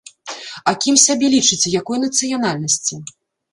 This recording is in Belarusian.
А кім сябе лічыце, якой нацыянальнасці?